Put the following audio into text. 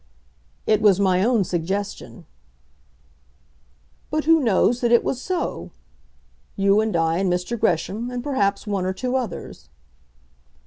"It was my own suggestion." "But who knows that it was so? You, and I, and Mr. Gresham and perhaps one or two others."